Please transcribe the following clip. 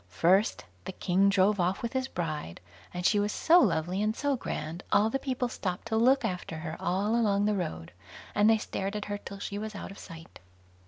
First, the king drove off with his bride, and she was so lovely and so grand, all the people stopped to look after her all along the road, and they stared at her till she was out of sight.